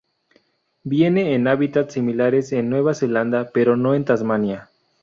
Viene en hábitats similares en Nueva Zelanda, pero no en Tasmania.